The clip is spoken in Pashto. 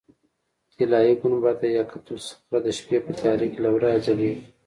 طلایي ګنبده یا قبة الصخره د شپې په تیاره کې له ورایه ځلېږي.